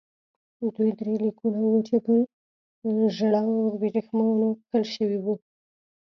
دوی درې لیکونه وو چې پر ژړو ورېښمو کښل شوي وو.